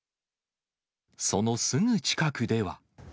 そのすぐ近くでは。